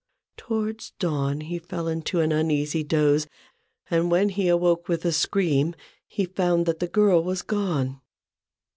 Towards dawn he fell into an uneasy doze ; and when he awoke with a scream, he found that the girl was gone.